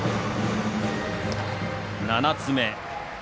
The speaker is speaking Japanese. ７つ目。